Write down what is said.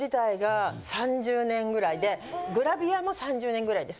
グラビアも３０年ぐらいです